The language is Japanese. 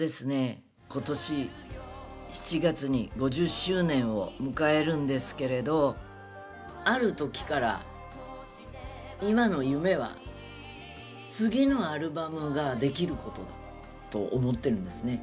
今年７月に５０周年を迎えるんですけれどある時から今の夢は次のアルバムができることだと思ってるんですね。